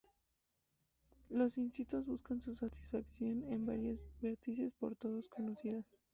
Los instintos buscan su satisfacción en varias vertientes por todos conocidas.